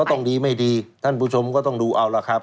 ต้องดีไม่ดีท่านผู้ชมก็ต้องดูเอาล่ะครับ